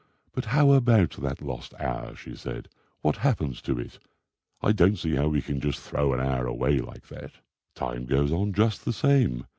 "But how about that lost hour?" she said. "What happens to it? I don't see how we can just throw an hour away like that. Time goes on just the same.